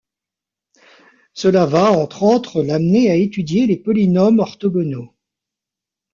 Cela va entre autres l’amener à étudier les polynômes orthogonaux.